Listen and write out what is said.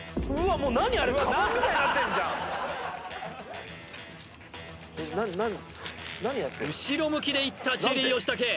もう何あれ後ろ向きでいったチェリー吉武